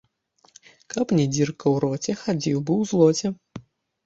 Каб не дзірка ў роце, хадзіў бы ў злоце